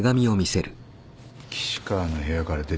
岸川の部屋から出てきた。